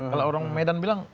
kalau orang medan bilang